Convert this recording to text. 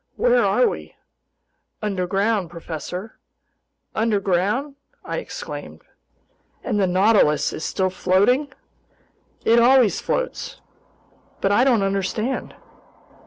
"Where are we?" "Underground, professor." "Underground!" I exclaimed. "And the Nautilus is still floating?" "It always floats." "But I don't understand!"